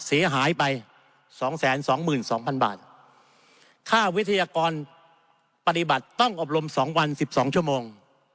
เสียหายไป๒๒๒๐๐๐บาทค่าวิทยากรปฏิบัติต้องอบรม๒วัน๑๒ชั่วโมง